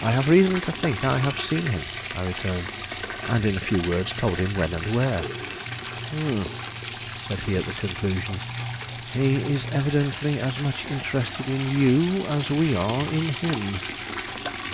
"I have reason to think I have seen him," I returned; and in a few words told him when and where. "Humph!" said he at the conclusion; "he is evidently as much interested in you as we are in him.